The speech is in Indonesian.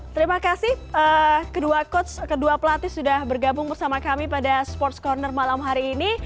terima kasih kedua pelatih sudah bergabung bersama kami pada sports corner malam hari ini